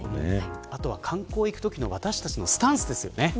あとは観光に行くときの私たちのスタンスですよね。